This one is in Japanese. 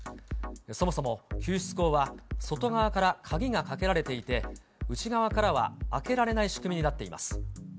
そもそも救出口は外側から鍵がかけられていて、内側からは開けられない仕組みになっています。